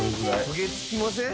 「焦げつきません？」